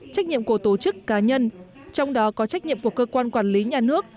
trách nhiệm của tổ chức cá nhân trong đó có trách nhiệm của cơ quan quản lý nhà nước